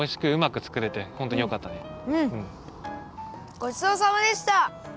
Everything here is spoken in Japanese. ごちそうさまでした。